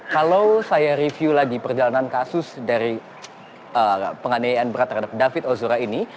kalau saya review lagi perjalanan kasus dari penganiayaan berat terhadap david ozora ini